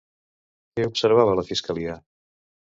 Què observa la fiscalia?